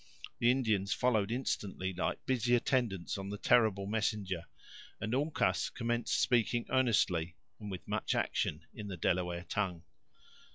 The Indians followed instantly like busy attendants on the terrible messenger, and Uncas commenced speaking earnestly and with much action, in the Delaware tongue.